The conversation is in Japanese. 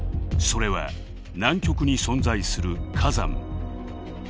それは南極に存在する火山。